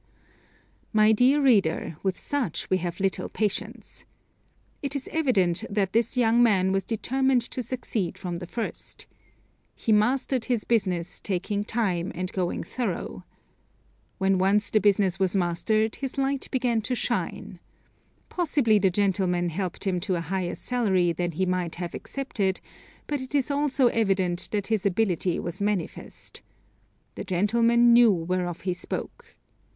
My dear reader, with such we have little patience. It is evident that this young man was determined to succeed from the first. He mastered his business, taking time and going thorough. When once the business was mastered his light began to shine. Possibly the gentleman helped him to a higher salary than he might have accepted, but it is also evident that his ability was manifest. The gentleman knew whereof he spoke.